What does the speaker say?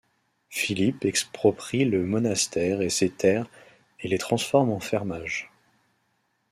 Philippe exproprie le monastère et ses terres et les transforme en fermage.